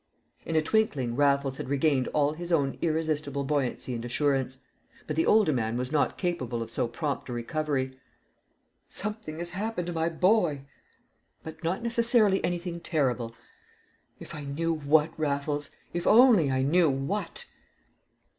In a twinkling Raffles had regained all his own irresistible buoyancy and assurance. But the older man was not capable of so prompt a recovery. "Something has happened to my boy!" "But not necessarily anything terrible." "If I knew what, Raffles if only I knew what!"